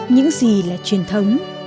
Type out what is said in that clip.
những gì là truyền thống